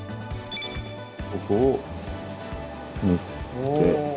ここを縫って。